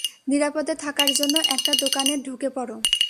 নিরাপদে থাকার জন্য একটা দোকানে ঢুকে পড়ো।